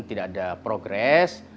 tidak ada progres